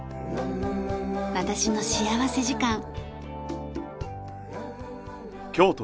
『私の幸福時間』。